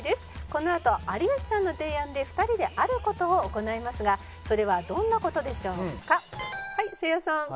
「このあと有吉さんの提案で２人である事を行いますがそれはどんな事でしょうか？」はいせいやさん。